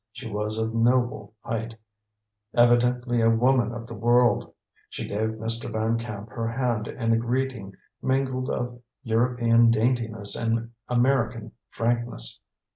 She was of noble height, evidently a woman of the world. She gave Mr. Van Camp her hand in a greeting mingled of European daintiness and American frankness.